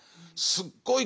すっごい